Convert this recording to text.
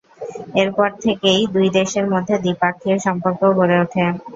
এরপর থেকেই দুই দেশের মধ্যে দ্বিপাক্ষীয় সম্পর্ক গড়ে ওঠে।